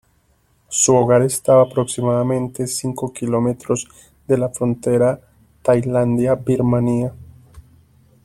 Su hogar estaba aproximadamente cinco kilómetros de la frontera Tailandia-Birmania.